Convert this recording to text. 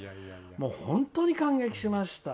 本当に感激しました」。